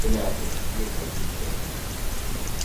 Ela é a que nos di o que hai que facer.